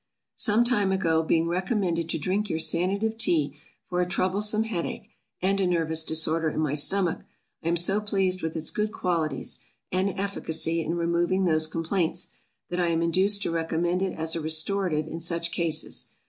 SOME time ago being recommended to drink your Sanative Tea for a troublesome head ache, and a nervous disorder in my stomach, I am so pleased with its good qualities, and efficacy, in removing those complaints, that I am induced to recommend it as a restorative in such cases.